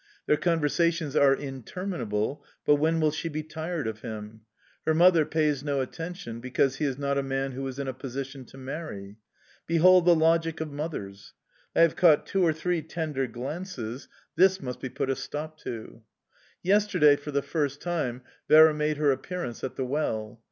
Their conversations are interminable; but, when will she be tired of him?... Her mother pays no attention, because he is not a man who is in a position to marry. Behold the logic of mothers! I have caught two or three tender glances this must be put a stop to. Yesterday, for the first time, Vera made her appearance at the well...